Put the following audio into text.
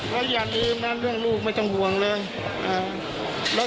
แล้วอย่างงี้มันเรื่องลูกไม่ต้องห่วงเลยอ่า